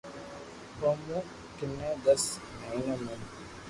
او مون ڪني دس مھينون مون